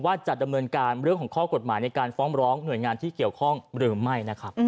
ว่าจัดอำเมินการเรื่องของข้อกฎหมายในการฟอร์มร้องเหนื่อยงานที่เกี่ยวข้องหรือไม่